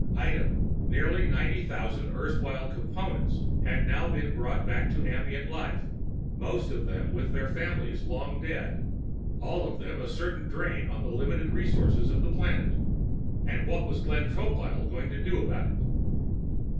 Item: nearly ninety thousand erstwhile Components had now been brought back to ambient life, most of them with their families long dead, all of them a certain drain on the limited resources of the planet. And what was Glenn Tropile going to do about it?